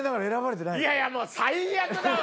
いやいやもう最悪だわ！